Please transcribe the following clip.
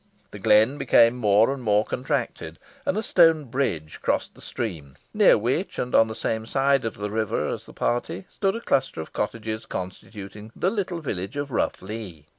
The glen became more and more contracted, and a stone bridge crossed the stream, near which, and on the same side of the river as the party, stood a cluster of cottages constituting the little village of Rough Lee.